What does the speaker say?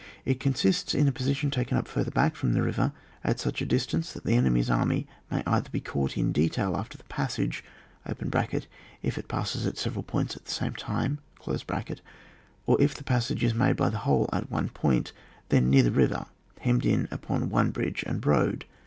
It con* sists in a position taken up further back from the river at such a distance that the enemy's army may either be caught in detail after the passage (if it passes at several points at the same time) or if the passage is made by the whole at one point, then near the river, hemmed in upon one bridge and road.